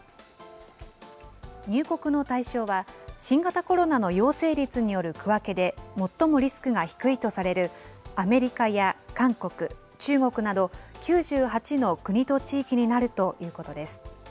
入国の対象は、新型コロナの陽性率による区分けで最もリスクが低いとされるアメリカや韓国、中国など、９８の国と地域になるということです。